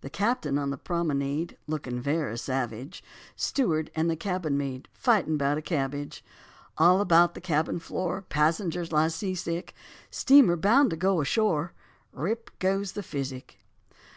The captain on the promenade Looking very savage; Steward and the cabin maid Fightin' 'bout the cabbage; All about the cabin floor Passengers lie sea sick; Steamer bound to go ashore, Rip, goes the physic.